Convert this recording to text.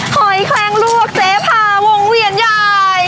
หอยแคลงลูกเสพาวงเวียนใหญ่